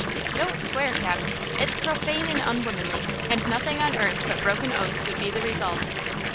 don't swear, Cap–it's profane and unwomanly; and nothing on earth but broken oaths would be the result!"